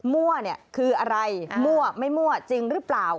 มั่วเนี่ยคืออะไรมั่วไม่มั่วจริงหรือเปล่า